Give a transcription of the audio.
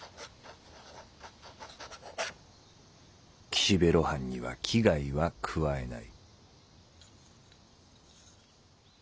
「岸辺露伴には危害は加えない」。